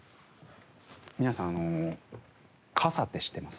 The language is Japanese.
皆さんあの傘って知ってます？